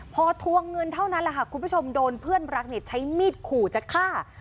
พอทวงเงินเท่านั้นแหละค่ะคุณผู้ชมโดนเพื่อนรักเนี่ยใช้มีดขู่จะฆ่า